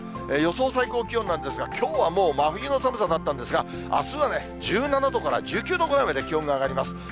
予想最高気温なんですが、きょうはもう真冬の寒さだったんですが、あすは１７度から１９度ぐらいまで気温が上がります。